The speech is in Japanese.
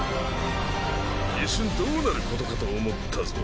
一瞬どうなることかと思ったぞ。